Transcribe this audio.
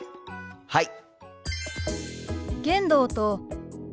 はい！